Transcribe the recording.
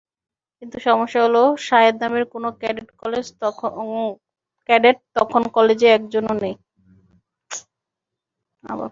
কিন্তু সমস্যা হলো, শাহেদ নামের কোনো ক্যাডেট তখন কলেজে একজনও নেই।